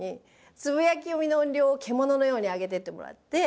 つぶやき読みの音量を獣のように上げていってもらって。